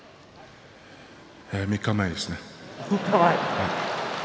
３日前ですね。